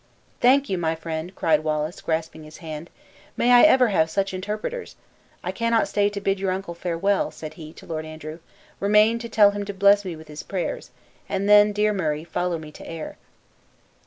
"Thank you, my friend!" cried Wallace, grasping his hand; "may I ever have such interpreters! I cannot stay to bid your uncle farewell," said he, to Lord Andrew; "remain, to tell him to bless me with his prayers; and then, dear Murray, follow me to Ayr."